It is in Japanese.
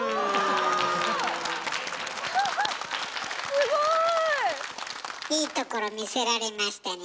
すごい！いいところ見せられましたね